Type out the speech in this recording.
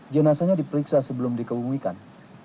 jenasanya diperiksa sebelum dikebumikan